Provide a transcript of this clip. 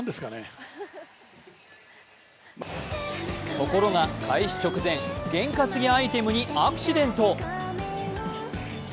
ところが、開始直前、験担ぎアイテムにアクシデント。